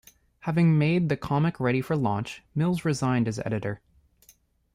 Having made the comic ready for launch, Mills resigned as editor.